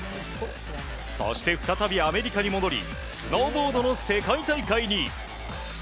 そして再びアメリカに戻りスノーボードの世界大会に。